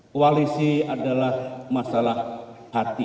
koalisi adalah masalah hati